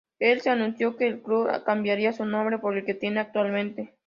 El se anunció que el club cambiaría su nombre por el que tiene actualmente.